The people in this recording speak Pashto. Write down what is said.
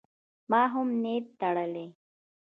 ما هم نیت تړلی.